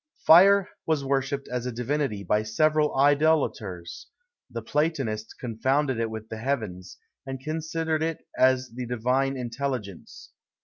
Fire was worshipped as a divinity by several idolaters: the Platonists confounded it with the heavens, and considered it as the divine intelligence.